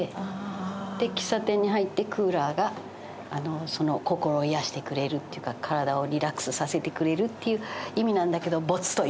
で喫茶店に入ってクーラーがその心を癒やしてくれるっていうか体をリラックスさせてくれるっていう意味なんだけど。